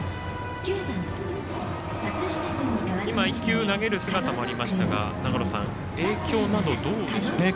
１球、投げる姿もありましたが影響などはどうでしょうか。